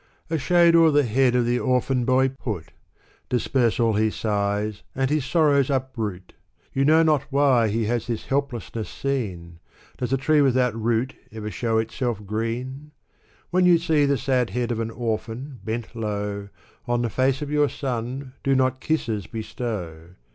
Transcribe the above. A shade o'er the head of the orphan boy put ! Disperse all his sighs and his sorrows uproot ! You know not why he has this helplessness seen ! Does a tree without root ever show itself green? When you see the sad head of an orphan bent low. On the face of your son, do not kisses bestow